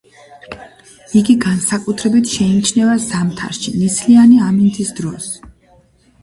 იგი განსაკუთრებით შეიმჩნევა ზამთარში ნისლიანი ამინდის დროს.